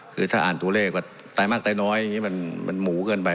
คือถ้าอ่านตัวเลขก็ตายมากตายน้อยอย่างนี้มันหมูเกินไป